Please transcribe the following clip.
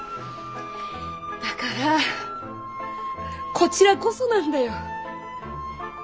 だからこちらこそなんだよ！